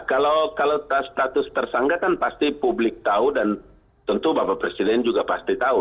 kalau status tersangka kan pasti publik tahu dan tentu bapak presiden juga pasti tahu